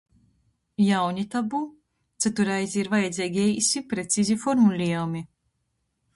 Jauni tabu. Cytu reizi ir vajadzeigi eisi, precizi formuliejumi.